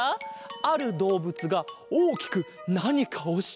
あるどうぶつがおおきくなにかをしているぞ！